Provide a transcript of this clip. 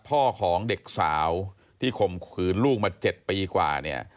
พ่อของเด็กสาวที่ข่มขืนลูกมา๗ปีกว่าเนี่ย